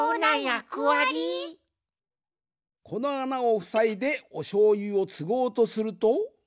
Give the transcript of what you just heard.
このあなをふさいでおしょうゆをつごうとすると。